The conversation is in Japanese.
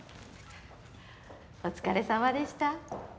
お疲れさまでした。